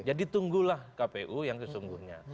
jadi tunggulah kpu yang sesungguhnya